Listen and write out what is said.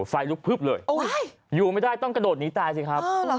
ไฟลุกพึบเลยอยู่ไม่ได้ต้องกระโดดหนีตายสิครับอ๋อเหรอครับ